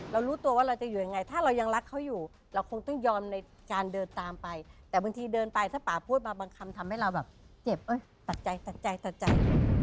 รู้ตัวว่าเราจะอยู่ยังไงถ้าเรายังรักเขาอยู่เราคงต้องยอมในการเดินตามไปแต่บางทีเดินไปถ้าป่าพูดมาบางคำทำให้เราแบบเจ็บตัดใจตัดใจตัดใจ